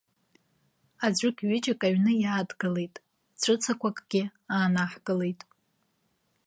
Аӡәык-ҩыџьак аҩны иаадгылеит, ҵәыцақәакгьы аанаҳкылеит.